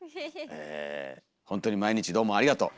ほんとに毎日どうもありがとう。